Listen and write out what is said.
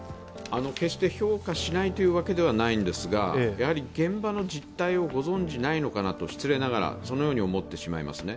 決して評価しないというわけではないんですが現場の実態をご存じないのかなと失礼ながらそのように思ってしまいますね。